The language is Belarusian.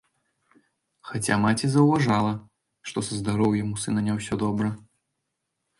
Хаця маці заўважала, што са здароўем у сына не ўсё добра.